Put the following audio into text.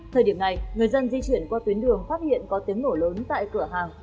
thời điểm này người dân di chuyển qua tuyến đường phát hiện có tiếng nổ lớn tại cửa hàng